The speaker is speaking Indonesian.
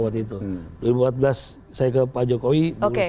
saya ke pak jokowi